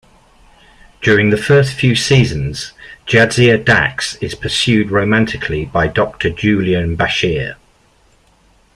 During the first few seasons, Jadzia Dax is pursued romantically by Doctor Julian Bashir.